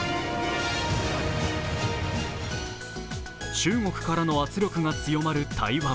中国からの圧力が強まる台湾。